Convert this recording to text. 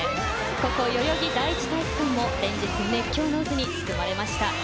ここ代々木第一体育館も連日、熱狂の渦に包まれました。